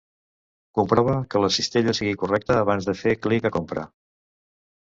Comprova que la cistella sigui correcta abans de fer clic a "Compra".